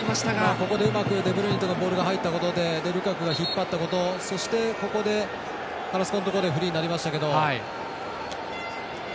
ここでうまくデブルイネの場所にボールが入ったことでルカクが引っ張ったことそして、カラスコのところでフリーになりましたけど。